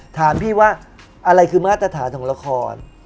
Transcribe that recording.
ถามพี่ว่าอะไรคือมาตรฐานของละคร